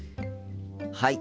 はい。